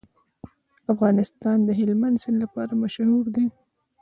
افغانستان د هلمند سیند لپاره مشهور دی.